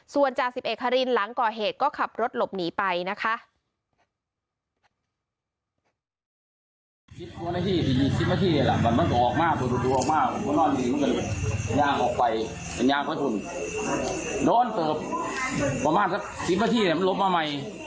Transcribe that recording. ส่วนจ่าสิบเอกฮารินหลังก่อเหตุก็ขับรถหลบหนีไปนะคะ